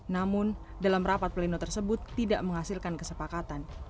namun dalam rapat pleno tersebut tidak menghasilkan kesepakatan